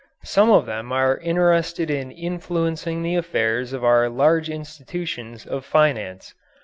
Some of them are interested in influencing the affairs of our large institutions of finance.